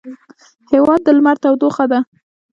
هېواد د لمر تودوخه ده.